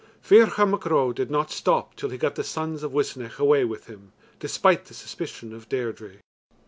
Ferchar Mac Ro did not stop till he got the sons of Uisnech away with him, despite the suspicion of Deirdre.